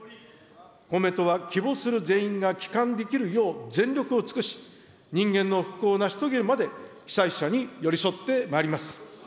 公明党は希望する全員が帰還できるよう、全力を尽くし、人間の復興を成し遂げるまで被災者に寄り添ってまいります。